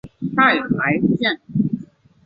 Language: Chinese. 太白线